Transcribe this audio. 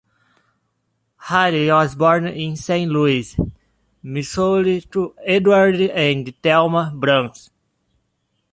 Hayles was born in Saint Louis, Missouri to Edward and Thelma Bruns.